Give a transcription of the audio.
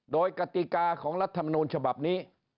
โดยกติกาของรัฐมนูลฉบับนี้